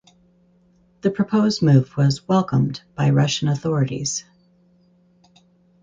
The proposed move was "welcomed" by Russian authorities.